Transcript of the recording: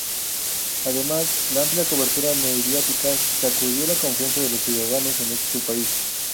Además, la amplia cobertura mediática sacudió la confianza de los ciudadanos en su país.